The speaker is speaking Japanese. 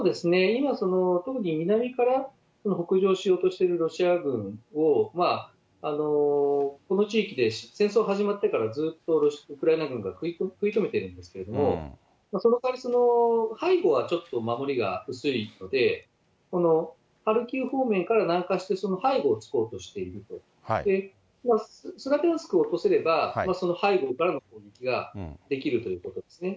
今、特に南から北上しようとしているロシア軍をこの地域で戦争が始まってからずっとウクライナ軍が食い止めてるんですけれども、その代わり、その背後はちょっと守りが薄いので、ハルキウ方面から南下してその背後を突こうとしていると、スラビャンスクを落とせれば、その背後からの攻撃ができるということですね。